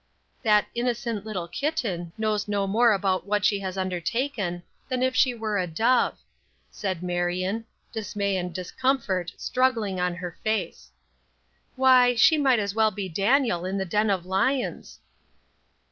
"That innocent little kitten knows no more what she has undertaken than if she were a dove," said Marion, dismay and discomfort struggling in her face. "Why, she might as well be Daniel in the den of lions."